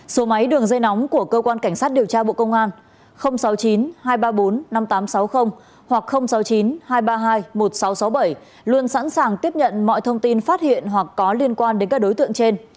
số máy đường dây nóng của cơ quan cảnh sát điều tra bộ công an sáu mươi chín hai trăm ba mươi bốn năm nghìn tám trăm sáu mươi hoặc sáu mươi chín hai trăm ba mươi hai một nghìn sáu trăm sáu mươi bảy luôn sẵn sàng tiếp nhận mọi thông tin phát hiện hoặc có liên quan đến các đối tượng trên